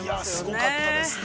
◆すごかったですね。